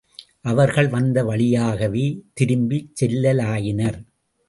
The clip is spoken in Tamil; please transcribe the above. அவர்கள் வந்த வழியாகவே திரும்பிச் செல்லலாயினர்.